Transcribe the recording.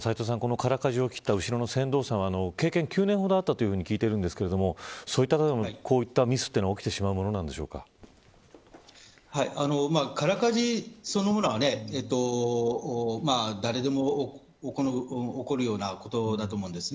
空かじを切った後ろの船頭さんは経験が９年ほどあったと聞いていますがそういった方でもこういったミスは空かじそのものは誰でも起こるようなことだと思うんです。